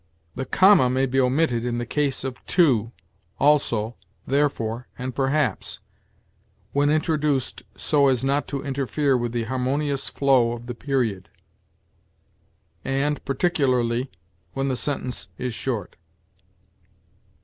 "The comma may be omitted in the case of too, also, therefore, and perhaps, when introduced so as not to interfere with the harmonious flow of the period; and, particularly, when the sentence is short."